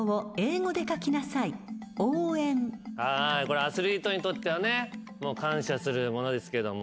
あこれアスリートにとってはね感謝するものですけども。